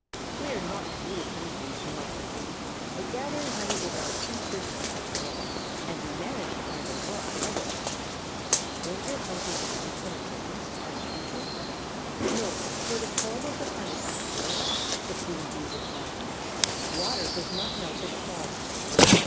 "We are not really honey bees," remarked the Queen; "but gathering honey is our chief business, after all, and we manage to find a lot of it." "Won't your houses melt when it rains?" asked Twinkle. "No, for the comb of the honey is pure wax," the Queen Bee replied. "Water does not melt it at all."